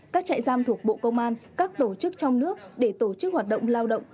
các trại giam thuộc bộ công an các tổ chức trong nước để tổ chức hoạt động lao động